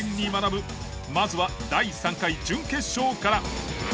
まずは第３回準決勝から。